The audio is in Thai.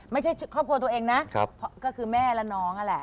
ไม่ใช่ครอบครัวตัวเองนะก็คือแม่และน้องนั่นแหละ